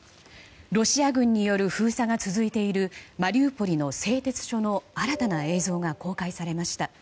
ロシア軍による封鎖が続いているマリウポリの製鉄所の新たな映像が公開されました。